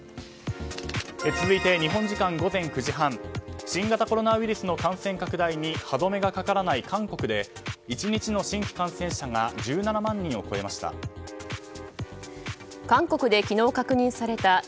続いて日本時間午前９時半新型コロナウイルスの感染拡大に歯止めがかからない韓国で１日の新規感染者が１７万人を超えました。